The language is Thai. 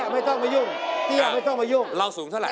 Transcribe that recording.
ไม่ต้องไม่ยุ่งไม่ต้องไม่ยุ่งเราสูงเท่าไหร่